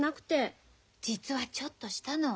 実はちょっとしたの。